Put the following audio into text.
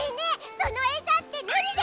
そのエサってなにで。